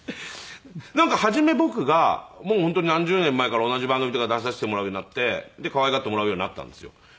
なんか初め僕がもう本当に何十年も前から同じ番組とか出させてもらうようになって可愛がってもらうようになったんですよ。